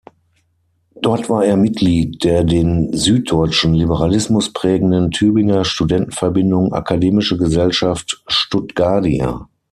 Dort war er Mitglied der den süddeutschen Liberalismus prägenden Tübinger Studentenverbindung Akademische Gesellschaft Stuttgardia.